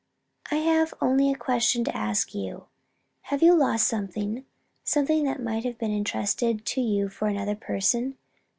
"I have only a question to ask you. Have you lost something something that might have been entrusted to you for another person?